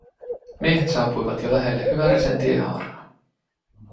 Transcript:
Miehet saapuivat jo lähelle Hyvärisen tiehaaraa.